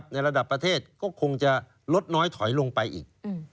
ในระดับประเทศก็คงจะลดน้อยถอยลงไปอีก